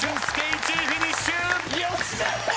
１位フィニッシュ！